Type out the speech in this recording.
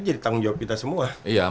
jadi tanggung jawab kita semua